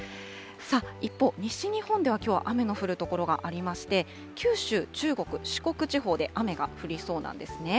一方、西日本ではきょうは雨の降る所がありまして、九州、中国、四国地方で雨が降りそうなんですね。